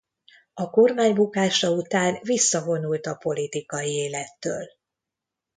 A kormány bukása után visszavonult a politikai élettől.